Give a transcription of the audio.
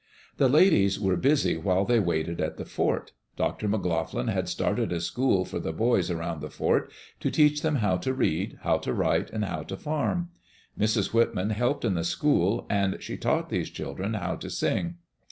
The ladies were busy while they waited at the fort. Dr. McLoughlin had started a school for the boys around the fort, to teach them how to read, how to write, and how to farm. Mrs. Whitman helped in the school, and she taught these children how to sing.